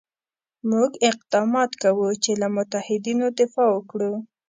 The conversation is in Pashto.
موږ اقدامات کوو چې له متحدینو دفاع وکړو.